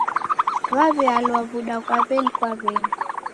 W'aw'ialwa w'uda ghwa w'eni kwa w'eni.